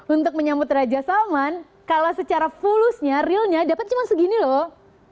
untuk menyambut raja salman kalau secara fulusnya realnya dapat cuma segini loh